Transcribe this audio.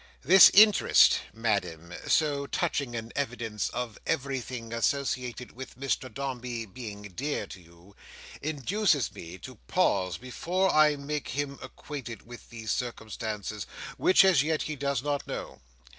"This interest, Madam—so touching an evidence of everything associated with Mr Dombey being dear to you—induces me to pause before I make him acquainted with these circumstances, which, as yet, he does not know.